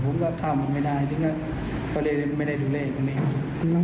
ผมก็ทำไม่ได้ฉะนั้นก็ไปดูแลตรงนี้